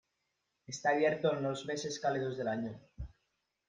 Está abierto en los meses cálidos del año.